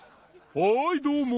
はいどうも。